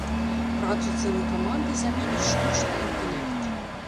Працу цэлай каманды заменіць штучны інтэлект.